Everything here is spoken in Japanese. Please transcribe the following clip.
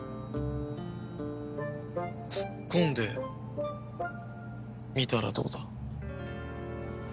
突っ込んでみたらどうだ？